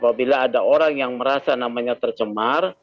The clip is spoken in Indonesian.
apabila ada orang yang merasa namanya tercemar